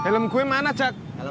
ketemu sama temen lo